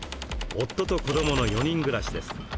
夫と子どもの４人暮らしです。